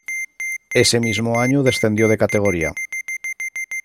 Ese mismo año descendió de categoría.